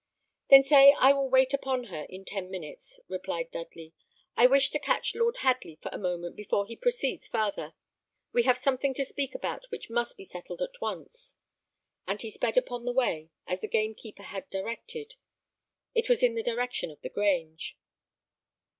"Then say I will wait upon her in ten minutes," replied Dudley; "I wish to catch Lord Hadley for a moment before he proceeds farther. We have something to speak about which must be settled at once." And he sped upon the way, as the gamekeeper had directed. It was in the direction of the Grange.